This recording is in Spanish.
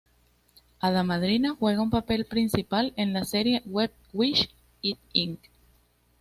Hada Madrina juega un papel principal en la serie web Wish It Inc.